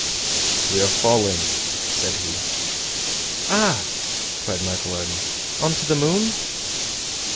"We are falling!" said he. "Ah!" cried Michel Ardan, "on to the moon?"